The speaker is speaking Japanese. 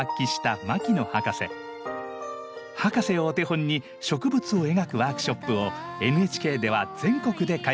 博士をお手本に植物を描くワークショップをＮＨＫでは全国で開催。